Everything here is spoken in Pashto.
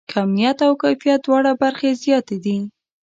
کیمیت او کیفیت دواړه برخې زیاتې دي.